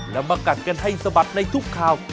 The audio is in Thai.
แล้วมากัดกันให้สะบัดในทุกข่าว